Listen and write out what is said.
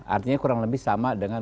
artinya kurang lebih sama dengan